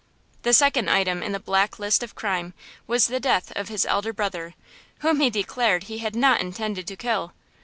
The second item in the black list of crime was the death of his elder brother, whom he declared he had not intended to kill.